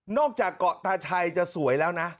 อกจากเกาะตาชัยจะสวยแล้วนะ